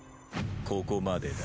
ここまでだ。